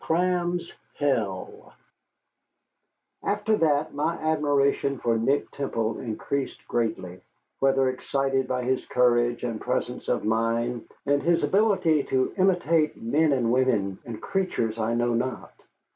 CRAM'S HELL After that my admiration for Nick Temple increased greatly, whether excited by his courage and presence of mind, or his ability to imitate men and women and creatures, I know not.